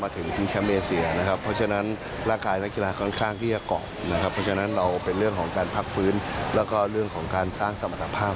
แต่ว่าเราก็ไม่ทิ้งเลยครับ